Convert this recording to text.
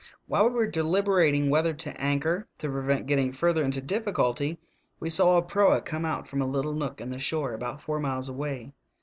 "While we were deliberating whether to anchor to prevent getting further into difficulty we saw a proa come out from a little nook in the shore about four miles away.